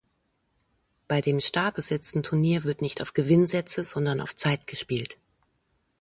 Bei dem starbesetzten Turnier wird nicht auf Gewinnsätze, sondern auf Zeit gespielt.